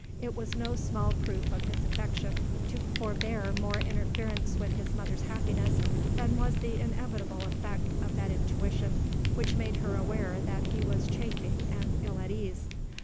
It was no small proof of his affection to forbear more interference with his mother's happiness than was the inevitable effect of that intuition which made her aware that he was chafing and ill at ease.